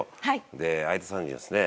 で相田さんにはですね